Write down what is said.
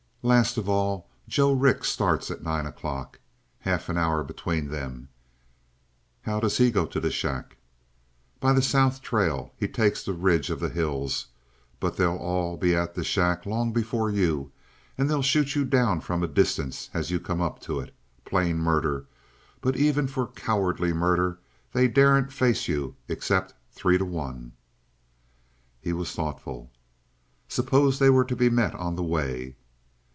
"Last of all, Joe Rix starts at nine o'clock. Half an hour between them." "How does he go to the shack?" "By the south trail. He takes the ridge of the hills. But they'll all be at the shack long before you and they'll shoot you down from a distance as you come up to it. Plain murder, but even for cowardly murder they daren't face you except three to one." He was thoughtful. "Suppose they were to be met on the way?"